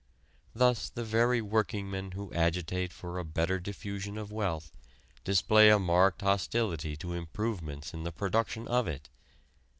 Thus the very workingmen who agitate for a better diffusion of wealth display a marked hostility to improvements in the production of it.